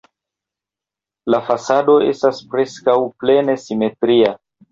La fasado estas preskaŭ plene simetria.